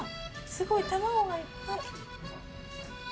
すごい卵がいっぱい。